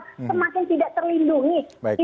semakin tidak terlindungi